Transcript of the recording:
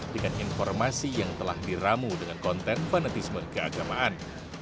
dengan informasi yang telah diramu dengan konten fanatisme keagamaan